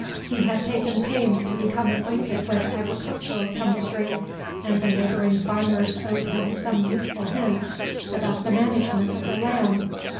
He had taken pains to become acquainted with agricultural chemistry; and the neighboring farmers owed him some useful hints about the management of their land.